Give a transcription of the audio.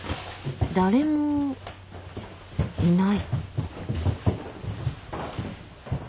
誰もいない。